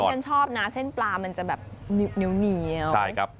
นี่ฉันชอบนะเส้นปลามันจะแบบเหนียว